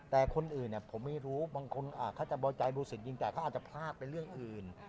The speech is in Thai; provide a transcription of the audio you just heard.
แต่คนอื่นผมไม่รู้บางคนเขาจะเบาใจดูสิตยิงแต่เขาอาจจะพลาดไปเรื่องอื่น